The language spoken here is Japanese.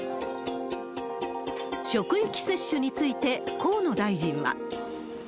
職域接種について、河野大臣は。